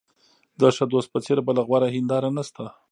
د ښه دوست په څېر بله غوره هنداره نشته.